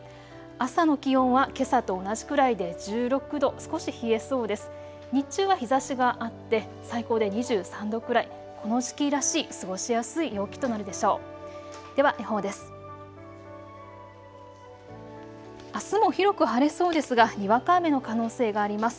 朝の気温はけさと同じくらいで１６度、少し冷えそうです。